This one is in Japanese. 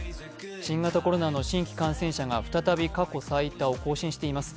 新型コロナの新規感染者が再び過去最多を更新しています。